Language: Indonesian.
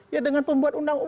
ya dengan pembuat undang undang